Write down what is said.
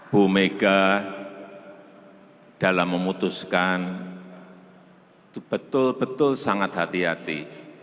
bu mega dalam memutuskan itu betul betul sangat hati hati